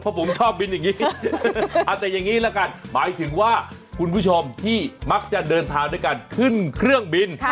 เพราะผมชอบบินอย่างนี้แต่อย่างนี้ละกันหมายถึงว่าคุณผู้ชมที่มักจะเดินทางด้วยการขึ้นเครื่องบิน